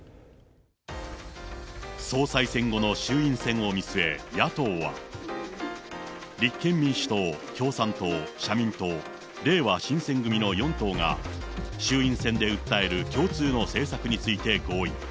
総裁選後の衆院選を見据え、野党は、立憲民主党、共産党、社民党、れいわ新選組の４党が、衆院選で訴える共通の政策について合意。